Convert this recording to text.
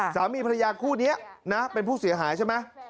สามีภรรยาคู่นี้นะเป็นผู้เสียหายใช่ไหม